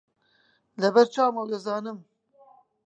لەبەر چاومە و دەزانم